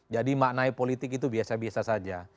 jadi maknai politik itu biasa biasa saja